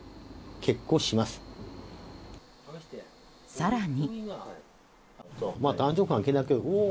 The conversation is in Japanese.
更に。